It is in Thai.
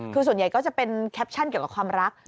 คือส่วนใหญ่ก็จะเป็นแคปชั่นเกี่ยวกับความรัก